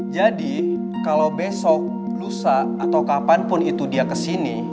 jadi kalo besok lusa atau kapanpun itu dia kesini